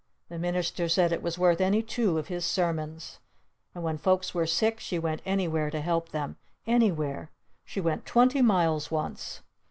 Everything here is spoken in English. The minister said it was worth any two of his sermons! And when folks were sick she went anywhere to help them! Anywhere! She went twenty miles once!